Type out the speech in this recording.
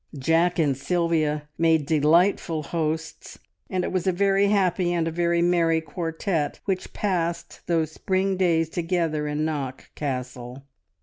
Jack and Sylvia made delightful hosts, and it was a very happy and a very merry quartette which passed those spring days together in Knock Castle.